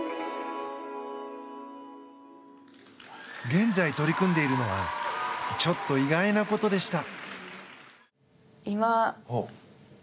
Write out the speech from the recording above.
現在、取り組んでいるのはちょっと意外なことでした。